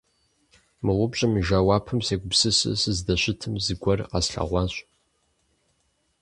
Мы упщӀэм и жэуапым сегупсысу сыздэщытым, зыгуэр къэслъэгъуащ.